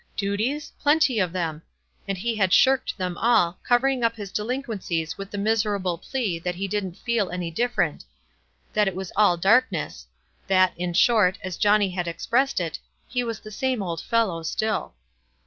Duties? Plenty of them — and he had shirked them all, covering up his delin quencies with the miserable plea that he didn't feel any different — that it was all darkness — that, in short, as Johnny had expressed it, he was " the same old fellow still."